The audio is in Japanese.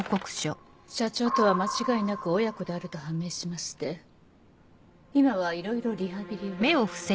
社長とは間違いなく親子であると判明しまして今はいろいろリハビリを。